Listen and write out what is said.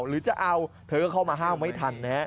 หรือจะเอาเธอก็เข้ามาห้าวไม่ทันนะฮะ